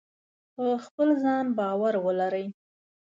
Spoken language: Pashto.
په خپل ځان باور ولرئ.